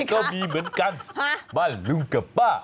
ก็มีเหมือนกันบ้านลุงกับป้า